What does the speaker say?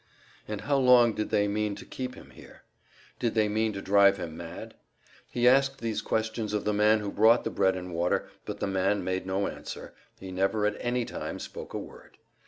And how long did they mean to keep him here? Did they mean to drive him mad? He asked these questions of the man who brought the bread and water, but the man made no answer, he never at any time spoke a word.